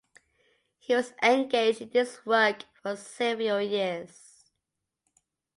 He was engaged in this work for several years.